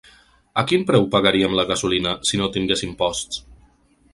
A quin preu pagaríem la gasolina si no tingués imposts?